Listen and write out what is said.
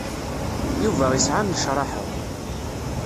Yuba isɛa nnecṛaḥa.